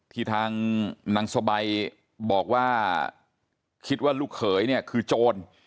ที่ทางนางสบายบอกว่าคิดว่าลูกเขยเนี่ยคือโจร